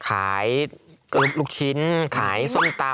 ขายลูกชิ้นขายส้มตำ